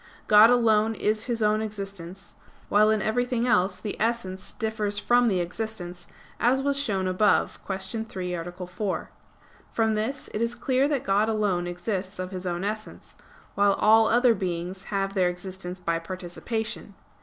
God alone is His own existence; while in everything else the essence differs from the existence, as was shown above (Q. 3, A. 4). From this it is clear that God alone exists of His own essence: while all other things have their existence by participation.